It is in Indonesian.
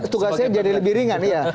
tugasnya menjadi lebih ringan ya